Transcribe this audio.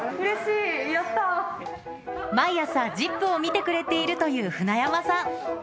毎朝、ＺＩＰ！を見てくれているという舟山さん。